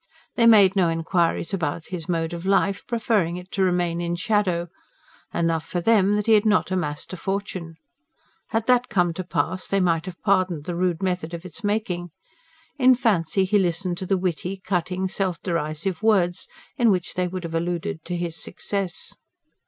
They made no inquiries about his mode of life, preferring it to remain in shadow; enough for them that he had not amassed a fortune. Had that come to pass, they might have pardoned the rude method of its making in fancy he listened to the witty, cutting, self derisive words, in which they would have alluded to his success.